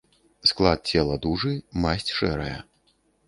Склад цела дужы, масць шэрая.